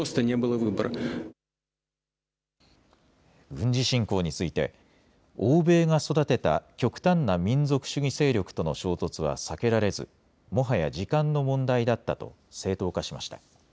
軍事侵攻について欧米が育てた極端な民族主義勢力との衝突は避けられずもはや時間の問題だったと正当化しました。